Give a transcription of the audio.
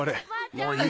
もういい。